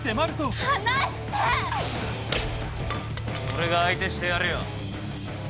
俺が相手してやるよ。